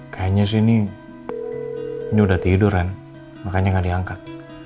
kayaknya sih ini udah tidur kan makanya gak diangkat